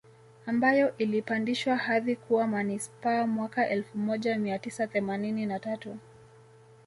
Ambayo ilipandishwa hadhi kuwa Manispaa mwaka elfu moja mia tisa themanini na tatu